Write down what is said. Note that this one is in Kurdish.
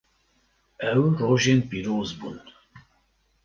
Ew rojên pîroz bûn.